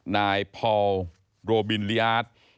นายพอลโรบินลิอาร์ต